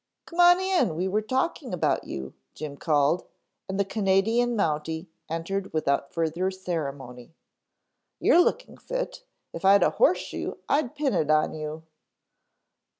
"Come on in, we were talking about you," Jim called, and the Canadian Mounty entered without further ceremony. "You're looking fit. If I had a horseshoe I'd pin it on you."